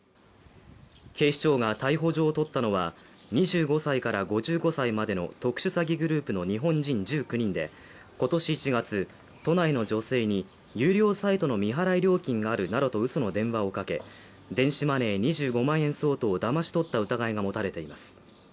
警視庁が逮捕状を取ったのは２５歳から５５歳までの特殊詐欺グループの日本人１９人で、今年１月、都内の女性に有料サイトの未払い料金があるなどと嘘の電話をかけ、電子マネー２５万円相当をだまし取った疑いが持たれています。